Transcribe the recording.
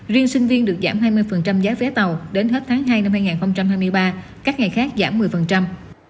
riêng sinh viên được giảm hai mươi giá vé tàu đến hết tháng hai năm hai nghìn hai mươi ba các ngày khác giảm một mươi